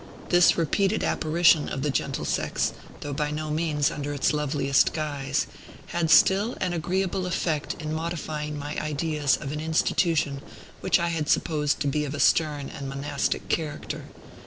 This repeated apparition of the gentle sex (though by no means under its loveliest guise) had still an agreeable effect in modifying my ideas of an institution which I had supposed to be of a stern and monastic character.